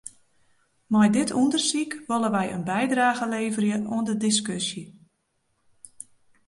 Mei dit ûndersyk wolle wy in bydrage leverje oan de diskusje.